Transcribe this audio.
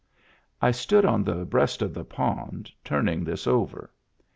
I stood on the breast of the pond, turning this over.